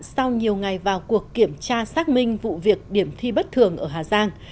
sau nhiều ngày vào cuộc kiểm tra xác minh vụ việc điểm thi bất thường ở hà giang